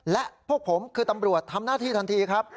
และพวกผมคือตำรวจทำหน้าที่ทันทีครับ